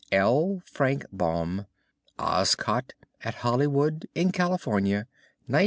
L. Frank Baum. "OZCOT" at HOLLYWOOD in CALIFORNIA, 1914.